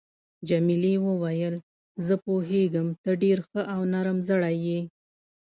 جميلې وويل: زه پوهیږم ته ډېر ښه او نرم زړی یې.